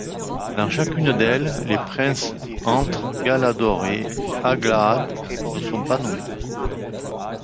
Dans chacune d'elles, les princes entre Galador et Aglahad ne sont pas nommés.